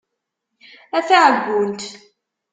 A taɛeggunt!